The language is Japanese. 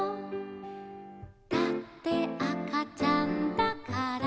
「だってあかちゃんだから」